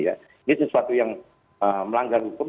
ini sesuatu yang melanggar hukum